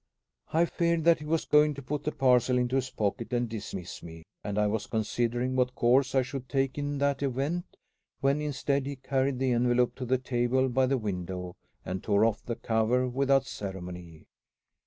I feared that he was going to put the parcel into his pocket and dismiss me, and I was considering what course I should take in that event, when instead he carried the envelope to the table by the window and tore off the cover without ceremony.